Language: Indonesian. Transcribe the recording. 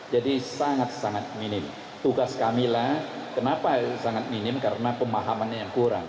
jadi sangat sangat minim tugas kamilah kenapa sangat minim karena pemahamannya yang kurang